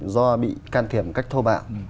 do bị can thiểm cách thô bạo